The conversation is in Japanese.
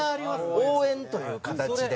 応援という形で。